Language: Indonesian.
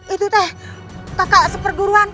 itu teh kakak seperguruanku